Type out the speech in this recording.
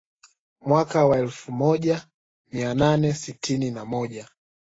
Mweaka wa elfu moja mia nane tisini na moja